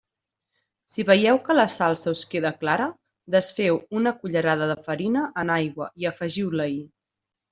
Si veieu que la salsa us queda clara, desfeu una cullerada de farina en aigua i afegiu-la-hi.